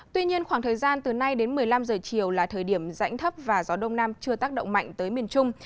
tuy nhiên khoảng thời gian từ nay đến một mươi năm giờ chiều là thời điểm rãnh thấp và gió đông nam chưa tác động mạnh tới miền trung